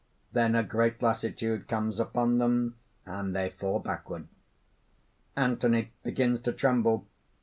Then a great lassitude comes upon them, and they fall backward." (_Anthony begins to tremble.